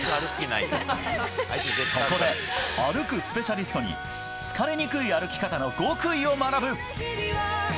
そこで、歩くスペシャリストに疲れにくい歩き方の極意を学ぶ。